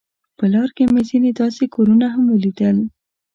په لار کې مې ځینې داسې کورونه هم ولیدل.